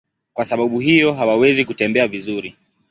Kwa sababu hiyo hawawezi kutembea vizuri.